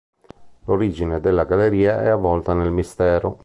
L'origine della galleria è avvolta nel mistero.